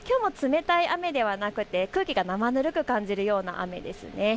きょうも冷たい雨ではなくて空気が生ぬるく感じるような雨ですね。